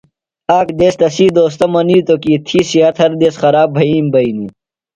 آک دیس تسی دوستہ منیتوۡ کی تھی صِحت ہر دیس خراب بھئیم بئینیۡ۔